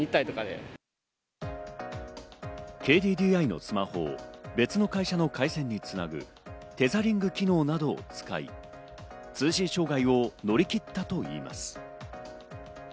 ＫＤＤＩのスマホを別の会社の回線につなぐテザリング機能などを使い、通信障害を乗り切ったといいます。